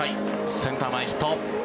センター前ヒット。